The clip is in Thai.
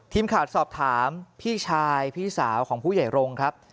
ทีมข่าวสอบถามพี่ชายพี่สาวของผู้ใหญ่รงค์ครับ